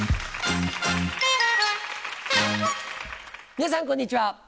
皆さんこんにちは。